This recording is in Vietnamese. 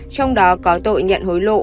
trong đó có tội nhận hối lộ